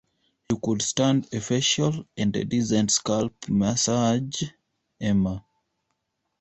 You could stand a facial and a decent scalp massage, Emma.